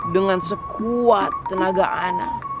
dengan sekuat tenaga anak